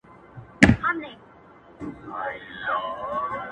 دا خو خلګ یې راوړي چي شیرني ده,